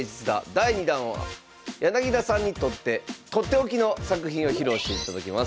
第２弾は柳田さんにとってとっておきの作品を披露していただきます。